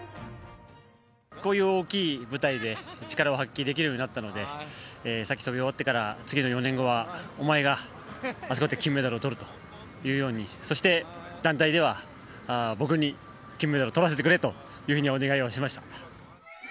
こういう大きい舞台で力を発揮できるようになったので、さっき飛び終わってから、次の４年後は、お前があそこで金メダルをとるぞというふうに、そして、団体では僕に金メダルをとらせてくれというふうにお願いをしました。